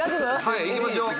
はいいきましょう。